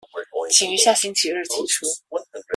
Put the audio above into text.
請於下星期二提出